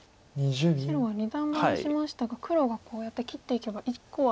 白は二段バネしましたが黒がこうやって切っていけば１個は。